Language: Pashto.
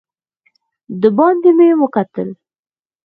دباندې مې وکتل.